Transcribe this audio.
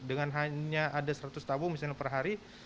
dengan hanya ada seratus tabung misalnya per hari